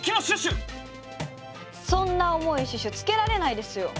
そんな重いシュシュつけられないですよ！